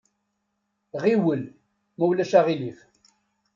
Ɣiwel, ma ulac aɣilif.